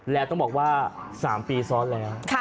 แล้วต้องบอกว่า๓ปีซ้อนแล้ว